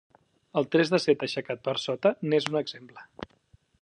El tres de set aixecat per sota n'és un exemple.